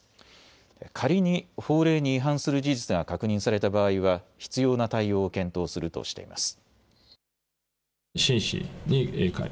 仮に法令に違反する事実が確認された場合は必要な対応を検討するとしています。